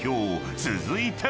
続いては］